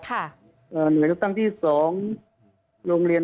ค่ะเอ่อหน่วยเล็กตั้งที่สองโรงเรียน